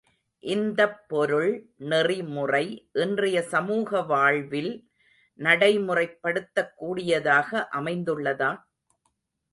இந்தப் பொருள் நெறிமுறை இன்றைய சமூக வாழ்வில் நடைமுறைப் படுத்தக் கூடியதாக அமைந்துள்ளதா?